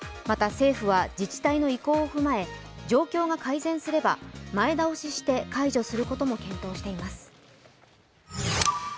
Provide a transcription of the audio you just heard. また政府は自治体の意向を踏まえ状況が改善すれば前倒しして解除することも検討しています。